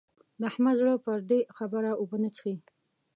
د احمد زړه پر دې خبره اوبه نه څښي.